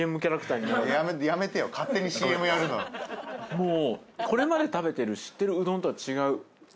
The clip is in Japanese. もう。